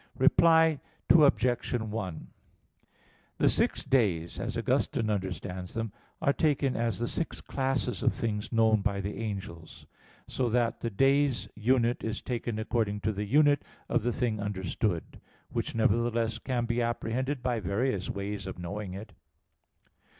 Reply Obj. 1: The six days, as Augustine understands them, are taken as the six classes of things known by the angels; so that the day's unit is taken according to the unit of the thing understood; which, nevertheless, can be apprehended by various ways of knowing it.